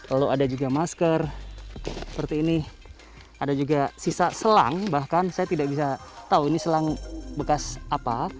lalu ada juga masker seperti ini ada juga sisa selang bahkan saya tidak bisa tahu ini selang bekas apa